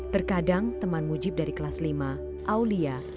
terkadang teman mujib dari kelas lima aulia